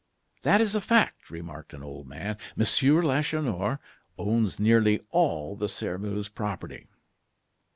"That is a fact," remarked an old man; "Monsieur Lacheneur owns nearly all the Sairmeuse property."